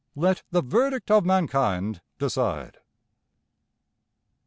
Let the verdict of mankind decide.